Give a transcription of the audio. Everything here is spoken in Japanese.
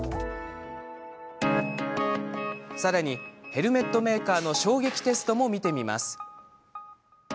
さらに、ヘルメットメーカーの衝撃テストも見てみます。